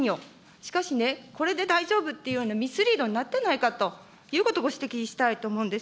しかしこれで大丈夫っていうようなミスリードになってないかということ、ご指摘したいと思うんです。